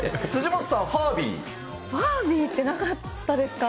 辻元さん、ファービーってなかったですか？